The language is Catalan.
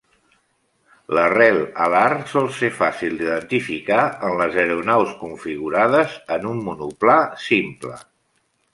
L'arrel alar sol ser fàcil d'identificar en les aeronaus configurades en un monoplà simple.